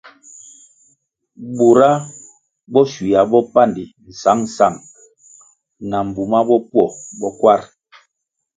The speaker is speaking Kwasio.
Bura bo shywua bopandi sangsang na bumah bopwo bo kwar.